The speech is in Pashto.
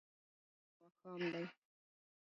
بیلتون ځپلی ملال ماښام دی